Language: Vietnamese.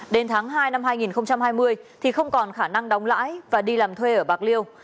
đến tháng hai năm hai nghìn hai mươi thì không còn khả năng đóng lãi và đi làm thuê ở bạc liêu